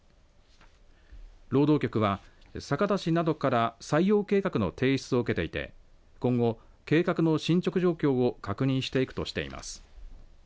労働局は酒田市などから採用計画の提出を受けていて今後、計画の進捗状況を確認していくとしています。